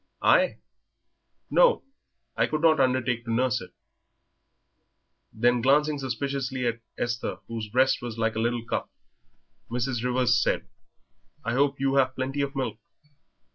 "I? No, I could not undertake to nurse it." Then, glancing suspiciously at Esther, whose breast was like a little cup, Mrs. Rivers said, "I hope you have plenty of milk?"